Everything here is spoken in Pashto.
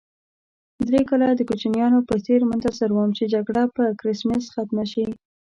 درې کاله د کوچنیانو په څېر منتظر وم چې جګړه په کرېسمس ختمه شي.